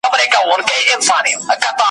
د استاد خوريي وو